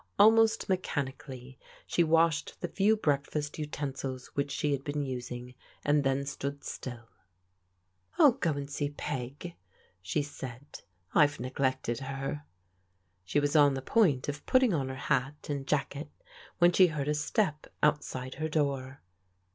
Almost mechanically she washed the few breakfast utensils which she had been t^sing and then stood still. " I'll go and see Peg," she said. " I've neglected her." She was on the point of putting on her hat and jacket when she heard a step outside her door.